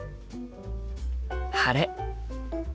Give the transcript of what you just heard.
晴れ。